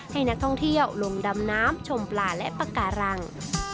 ให้นักท่องเที่ยวลงดำน้ำชมปลาและปากการัง